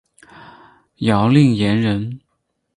姚令言人。